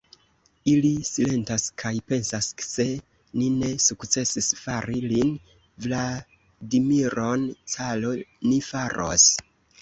Ili silentas kaj pensas: se ni ne sukcesis fari lin, Vladimiron, caro, ni faros.